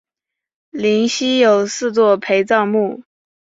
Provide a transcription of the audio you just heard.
灵犀有四座陪葬墓。